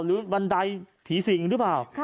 บันไดผีสิงหรือเปล่า